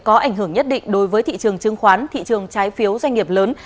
có ảnh hưởng nhất định đối với thị trường chứng khoán thị trường trái phiếu doanh nghiệp lớn